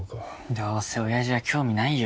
どうせおやじは興味ないよ。